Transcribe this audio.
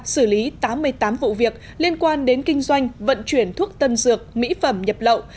xử lý tám mươi tám vụ việc liên quan đến kinh doanh vận chuyển thuốc tân dược mỹ phẩm nhập lậu